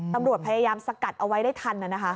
ตำรวจพยายามสกัดเอาไว้ได้ทัน